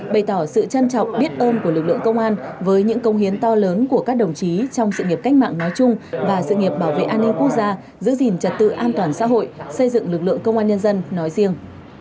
bày tỏ sự trân trọng biết ơn của lực lượng công an với những công hiến to lớn của các đồng chí trong sự nghiệp cách mạng nói chung và sự nghiệp bảo vệ an ninh quốc gia giữ gìn trật tự an toàn xã hội xây dựng lực lượng công an nhân dân nói riêng